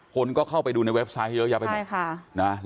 คนก็เข้าไปดูในเว็บไซต์เยอะยังไง